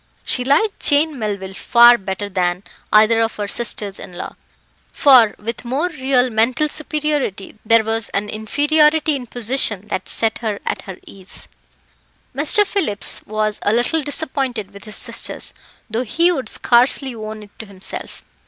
She liked Jane Melville far better than either of her sisters in law, for, with more real mental superiority, there was an inferiority in position that set her at her ease. Mr. Phillips was a little disappointed with his sisters, though he would scarcely own it to himself.